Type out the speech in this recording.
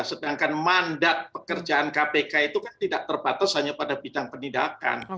sedangkan mandat pekerjaan kpk itu kan tidak terbatas hanya pada bidang penindakan